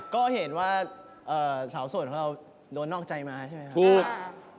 ก็เห็นว่าสาวโสดของเราโดนนอกใจมาใช่ไหมครับ